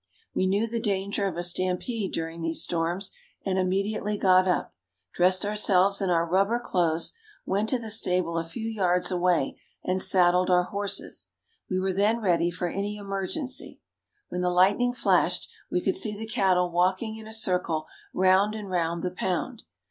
We knew the danger of a stampede during these storms and immediately got up, dressed ourselves in our rubber clothes, went to the stable a few yards away and saddled our horses. We were then ready for any emergency. When the lightning flashed we could see the cattle walking in a circle round and round the "pound."